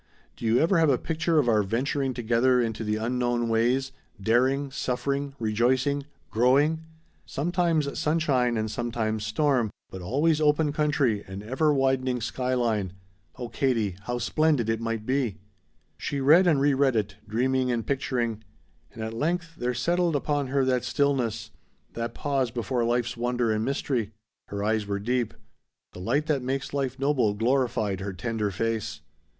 Do you ever have a picture of our venturing together into the unknown ways daring suffering rejoicing growing? Sometimes sunshine and sometimes storm but always open country and everwidening sky line. Oh Katie how splendid it might be!" She read and re read it, dreaming and picturing. And at length there settled upon her that stillness, that pause before life's wonder and mystery. Her eyes were deep. The light that makes life noble glorified her tender face.